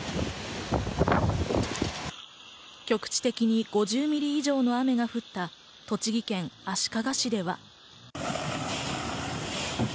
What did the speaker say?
局地的に５０ミリ以上の雨が降った、栃木県足利市では。